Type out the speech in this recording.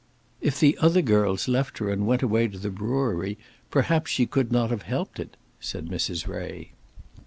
"If the other girls left her and went away to the brewery, perhaps she could not have helped it," said Mrs. Ray.